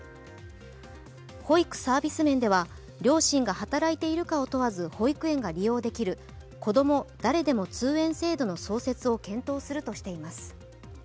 保育サービス面では両親が働いているかを問わず保育園が利用できるこども誰でも通園制度の創設を検討するとしています。